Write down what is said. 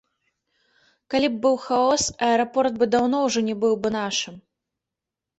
Калі б быў хаос, аэрапорт бы даўно ўжо не быў бы нашым.